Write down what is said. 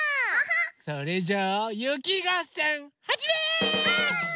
それじゃあゆきがっせんはじめ！